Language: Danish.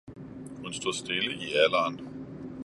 Hun stod stille i alderen.